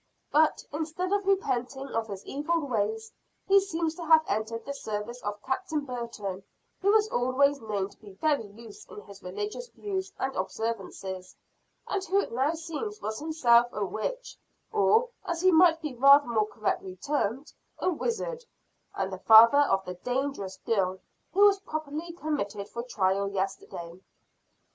But, instead of repenting of his evil ways, he seems to have entered the service of Captain Burton, who was always known to be very loose in his religious views and observances; and who it now seems was himself a witch, or, as he might be rather more correctly termed, a wizard, and the father of the dangerous girl who was properly committed for trial yesterday.